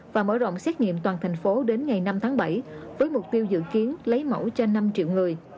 và mở rộng xét nghiệm toàn thành phố đến ngày năm tháng bảy với mục tiêu dự kiến lấy mẫu cho năm triệu người